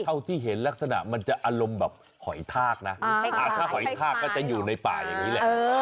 เท่าที่เห็นลักษณะมันจะอารมณ์แบบหอยทากนะถ้าหอยทากก็จะอยู่ในป่าอย่างนี้แหละ